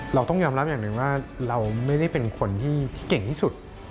เราต้องยอมรับอย่างหนึ่งว่าเราไม่ได้เป็นคนที่เก่งที่สุด